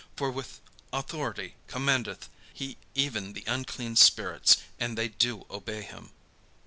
for with authority commandeth he even the unclean spirits, and they do obey him."